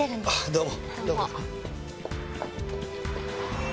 どうも。